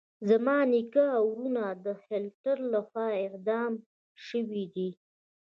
زما نیکه او ورونه د هټلر لخوا اعدام شويدي.